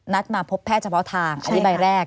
มาพบแพทย์เฉพาะทางอันนี้ใบแรก